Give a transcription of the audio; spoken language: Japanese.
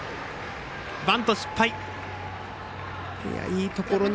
バント失敗。